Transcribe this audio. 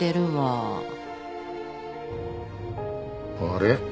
あれ？